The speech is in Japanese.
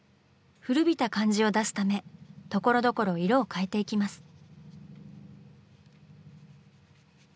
古びた感じを出すためところどころ色を変えていきます。